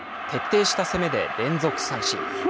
徹底した攻めで連続三振。